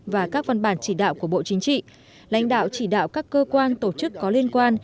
và các văn bản chỉ đạo của bộ chính trị lãnh đạo chỉ đạo các cơ quan tổ chức có liên quan